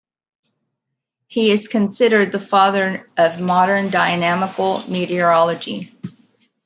He is considered the father of modern dynamical meteorology.